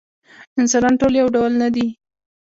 انسانان ټول یو ډول نه دي.